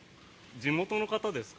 地元の方ですか？